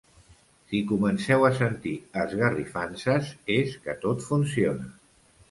Si comenceu a sentir esgarrifances és que tot funciona.